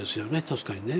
確かにね。